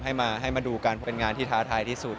ให้มาดูกันเพราะเป็นงานที่ท้าทายที่สุด